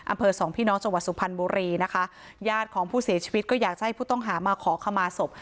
อำเภอสองพี่น้องจังหวัดสุพรรณบุรีนะคะญาติของผู้เสียชีวิตก็อยากจะให้ผู้ต้องหามาขอขมาศพ